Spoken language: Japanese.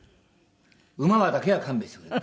馬だけは勘弁してくれ。